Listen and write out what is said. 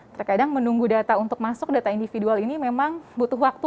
terkadang menunggu data untuk masuk data individual ini memang butuh waktu